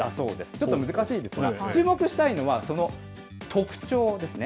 ちょっと難しいですが、注目したいのは、その特徴ですね。